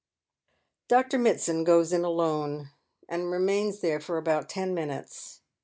Dr. Mitsand goes in alone, and remains there for about ten minutes.